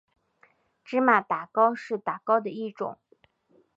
芝麻打糕是打糕的一种。